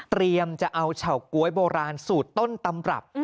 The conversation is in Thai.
จะเอาเฉาก๊วยโบราณสูตรต้นตำรับ